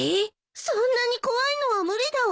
そんなに怖いのは無理だわ。